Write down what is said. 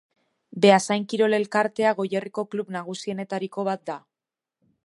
Beasain Kirol Elkartea Goierriko klub nagusienetariko bat da.